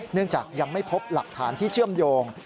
จากยังไม่พบหลักฐานที่เชื่อมโยง